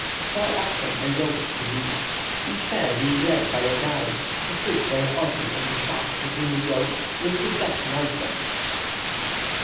Four oxen are yoked to these, each pair being led by a guide, who sits very oddly on the shaft between the yoke, with his back towards them.